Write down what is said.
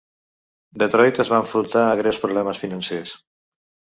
Detroit es va enfrontar a greus problemes financers.